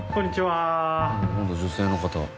今度は女性の方。